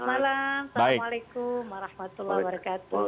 assalamualaikum warahmatullahi wabarakatuh